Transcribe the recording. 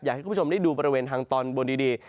อยากให้คุณผู้ชมได้ดูบริเวณทางตอนบนดี